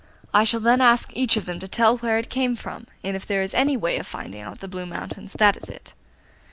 I shall then ask each of them to tell where it came from, and if there is any way of finding out the Blue Mountains that is it.